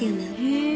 へえ！